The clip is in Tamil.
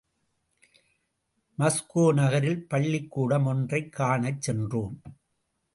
மாஸ்கோ நகரில் பள்ளிக்கூடம் ஒன்றைக் காணச் சென்றோம்.